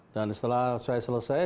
dan setelah saya selesai